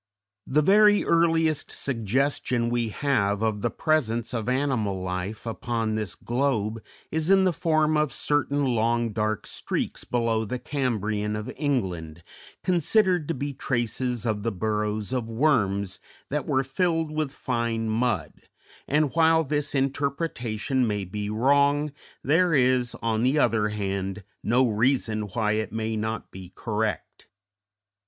The very earliest suggestion we have of the presence of animal life upon this globe is in the form of certain long dark streaks below the Cambrian of England, considered to be traces of the burrows of worms that were filled with fine mud, and while this interpretation may be wrong there is, on the other hand, no reason why it may not be correct.